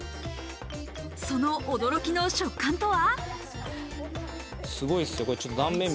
その驚きの食感とは。